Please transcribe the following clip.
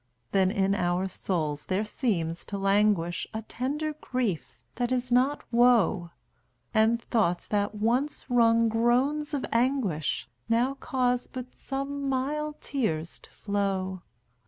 Then in our souls there seems to languish A tender grief that is not woe; And thoughts that once wrung groans of anguish Now cause but some mild tears to flow.